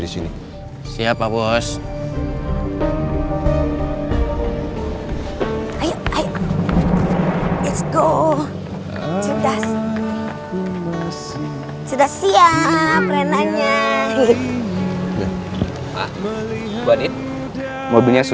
tapi papa kamu gak baik baik aja